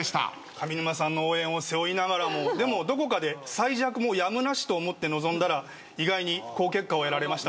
上沼さんの応援を背負いながらもでもどこかで最弱もやむなしと思って臨んだら意外に好結果を得られました。